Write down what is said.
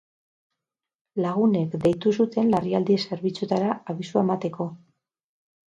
Lagunek deitu zuten larrialdi zerbitzuetara abisua emateko.